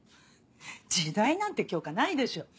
時代なんて教科ないでしょ。